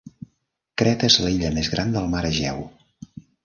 Creta és l'illa més gran del mar Egeu.